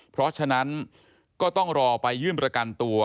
เพราะฉะนั้นก็ต้องรอไปยื่นประกันตัว